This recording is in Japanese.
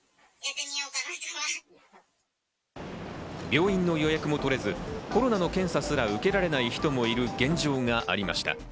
病院の予約も取れず、コロナの検査すら受けられない人もいる現状がありました。